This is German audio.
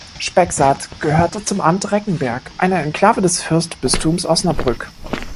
Spexard gehörte zum Amt Reckenberg, einer Exklave des Fürstbistums Osnabrück.